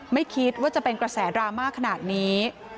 ไม่คิดว่าจะเป็นกระแสดราม่าขนาดนี้